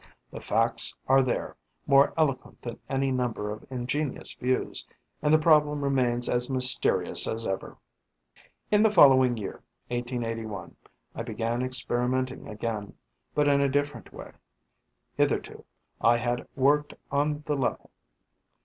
The facts are there, more eloquent than any number of ingenious views; and the problem remains as mysterious as ever. In the following year, 1881, I began experimenting again, but in a different way. Hitherto, I had worked on the level.